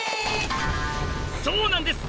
そうなんです！